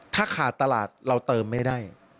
ถ้าขาดตลาดเราเติมไม่ได้